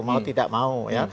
mau tidak mau ya